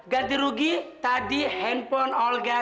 ganti rugi tadi handphone orga